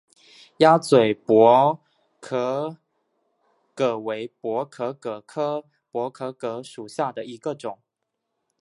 鸭嘴薄壳蛤为薄壳蛤科薄壳蛤属下的一个种。